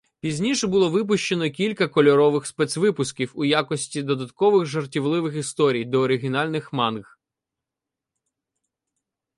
Пізніше було випущено кілька кольорових спецвипусків у якості додаткових жартівливих історій до оригінальних манґ.